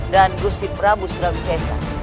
dan gusti prabu surawi sesa